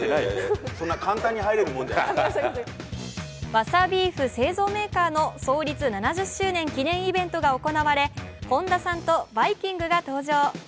わさビーフ製造メーカーの創立７０周年記念イベントが行われ本田さんとバイきんぐが登場。